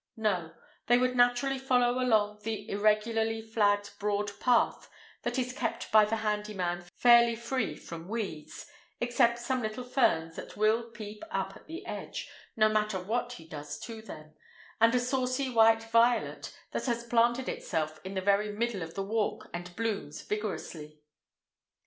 No, they would naturally follow along the irregularly flagged broad path that is kept by the handy man fairly free from weeds (except some little ferns that will peep up at the edge, no matter what he does to them, and a saucy white violet that has planted itself right in the very middle of the walk and blooms vigorously).